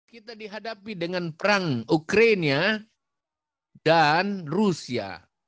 kita dihadapi dengan perang ukraina dan rusia